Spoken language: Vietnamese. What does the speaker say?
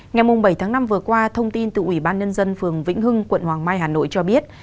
ngày bảy tháng năm vừa qua thông tin từ ủy ban nhân dân phường vĩnh hưng quận hoàng mai hà nội cho biết